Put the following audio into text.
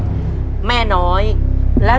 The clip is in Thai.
ขอบคุณครับ